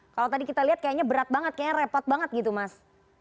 kalau tadi kita lihat kayaknya berat banget kayaknya repot banget gitu mas